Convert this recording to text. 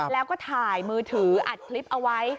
แล้วก็ถ่ายมือถืออัดคลิปเอาไว้